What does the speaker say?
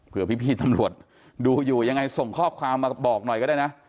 เพื่อพี่ตำรวจดูอยู่ยังไงส่งข้อความมาบอกหน่อยก็ได้นะ